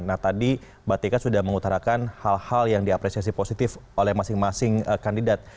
nah tadi mbak tika sudah mengutarakan hal hal yang diapresiasi positif oleh masing masing kandidat